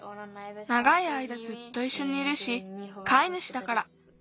ながいあいだずっといっしょにいるしかいぬしだから。